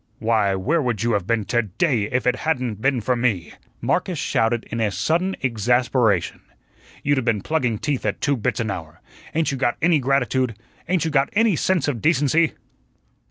Why, where would you have been TO DAY if it hadn't been for me?" Marcus shouted in a sudden exasperation, "You'd a been plugging teeth at two bits an hour. Ain't you got any gratitude? Ain't you got any sense of decency?"